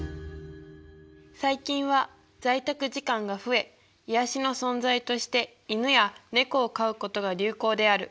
「最近は在宅時間が増え癒やしの存在として犬や猫を飼うことが流行である。